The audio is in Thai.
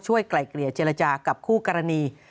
ไกลเกลี่ยเจรจากับคู่กรณี